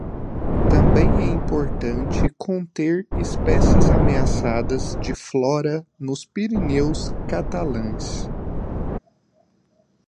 Também é importante conter espécies ameaçadas de flora nos Pireneus catalães.